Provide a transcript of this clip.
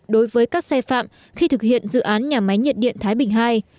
đối với các xe phạm khi thực hiện dự án nhà máy nhiệt điện thái bình ii